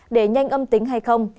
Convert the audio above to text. để nhanh âm tính hay không